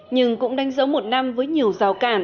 nhưng cũng đánh dấu một năm với nhiều rào cản